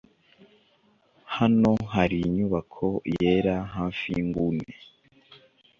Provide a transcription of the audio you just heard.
Hano hari inyubako yera hafi yinguni.